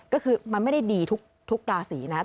ก็คือมันไม่ได้ดีทุกราศีนะ